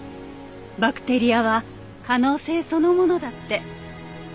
バクテリアは可能性そのものだって。